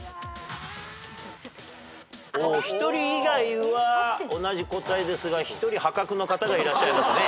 お一人以外は同じ答えですが一人破格の方がいらっしゃいますね。